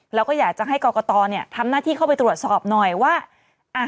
แล้วก็อยากจะให้กรกตทำหน้าที่เข้าไปตรวจสอบหน่อยว่า